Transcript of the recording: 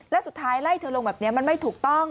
แล้วสุดท้ายไล่เธอลงแบบนี้มันไม่ถูกต้อง